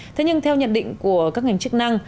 thế nhưng theo nhận định của các ngành chức năng